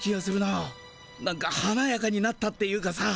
なんかはなやかになったっていうかさ。